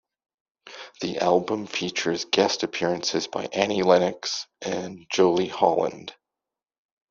The album features guest appearances by Annie Lennox and Jolie Holland.